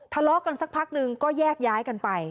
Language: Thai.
ทะเลาะกันสักพักนึงก็แยกย้ายกันไป